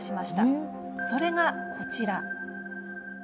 それがこちら。